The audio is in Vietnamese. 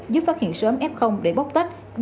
giúp phát hiện sớm f để bóc tách